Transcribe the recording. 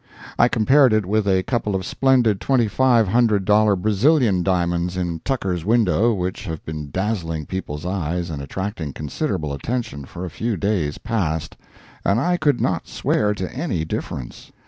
I compared it with a couple of splendid twenty five hundred dollar Brazilian diamonds in Tucker's window which have been dazzling people's eyes and attracting considerable attention for a few days past, and I could not swear to any difference.